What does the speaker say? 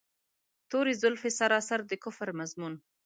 توري زلفې سراسر د کفر مضمون.